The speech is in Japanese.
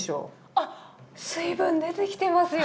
あっ水分出てきてますよ。